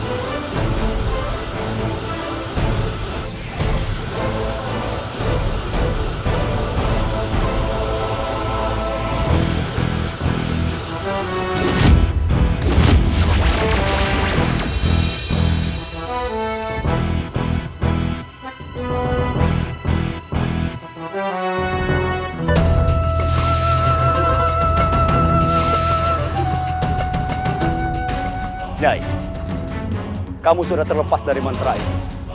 aku sudah terlepas dari mantra itu